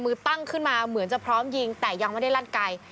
ตั้งขึ้นมาเหมือนจะพร้อมยิงแต่ยังไม่ได้ลั่นไกล